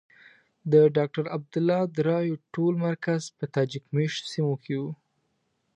د ډاکټر عبدالله د رایو ټول مرکز په تاجک مېشتو سیمو کې وو.